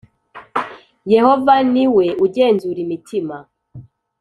yohova niwe ugenzura imitima